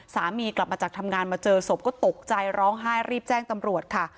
สามีกลับมาจากทำงานมาเจอศพก็ตกใจร้องไห้รีบแจ้งตำรวจค่ะ